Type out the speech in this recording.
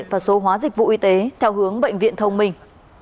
và số hóa dịch vụ y tế theo hướng bệnh viện thông minh